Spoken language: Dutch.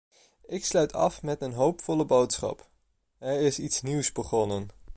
Ik sluit af met een hoopvolle boodschap: er is iets nieuws begonnen.